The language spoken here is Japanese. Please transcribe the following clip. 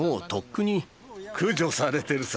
駆除されてるさ。